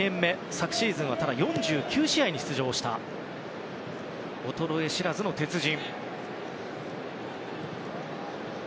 昨シーズンは４９試合に出場した衰え知らずの鉄人。